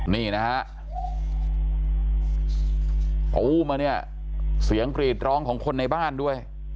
นี่นะฮะปูมาเนี่ยเสียงกรีดร้องของคนในบ้านด้วย